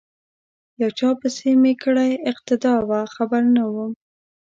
یو چا پسې می کړې اقتدا وه خبر نه وم